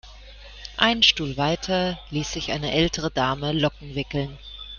Einen Stuhl weiter ließ sich eine ältere Dame Locken wickeln.